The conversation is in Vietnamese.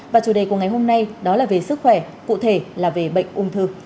và chủ đề của ngày hôm nay đó là về sức khỏe cụ thể là về bệnh ung thư